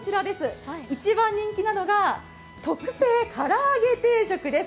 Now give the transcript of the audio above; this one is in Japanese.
一番人気なのが、特製から揚げ定食です。